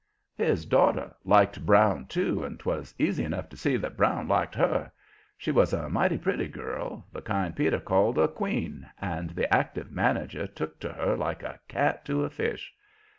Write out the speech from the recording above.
His daughter liked Brown, too, and 'twas easy enough to see that Brown liked her. She was a mighty pretty girl, the kind Peter called a "queen," and the active manager took to her like a cat to a fish.